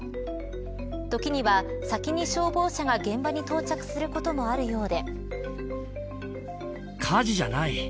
時には先に消防車が現場に到着することもあるようで。